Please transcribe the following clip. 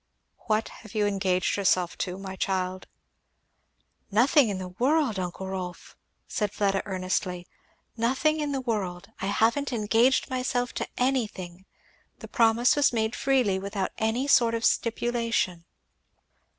"What have you engaged yourself to, my child?" "Nothing in the world, uncle Rolf!" said Fleda earnestly "nothing in the world. I haven't engaged myself to anything. The promise was made freely, without any sort of stipulation."